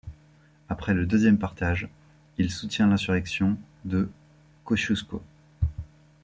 Après le deuxième partage, il soutient l'insurrection de Kosciuszko.